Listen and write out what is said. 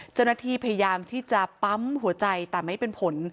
เจ้าหน้าที่พยายามที่จะปั๊มหัวใจแต่ไม่เป็นผล